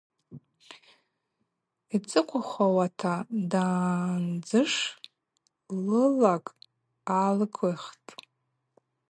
Йцӏыхъвахауата дандзыш лылакӏ гӏалыквылхтӏ.